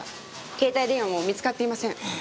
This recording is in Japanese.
携帯電話も見つかっていません。